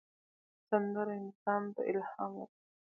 سندره انسان ته الهام ورکوي